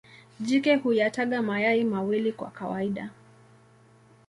Jike huyataga mayai mawili kwa kawaida.